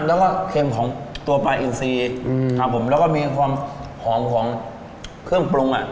แล้วก็เค็มของตัวปลาอินซีอืมครับผมแล้วก็มีความหอมของเครื่องปรุงอ่ะ